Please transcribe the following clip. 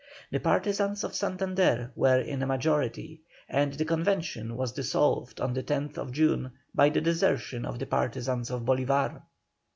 The partisans of Santander were in a majority, and the Convention was dissolved on the 10th June by the desertion of the partisans of Bolívar.